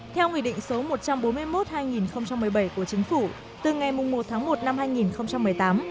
theo nghị định số một trăm bốn mươi một hai nghìn một mươi bảy của chính phủ từ ngày một tháng một năm hai nghìn một mươi tám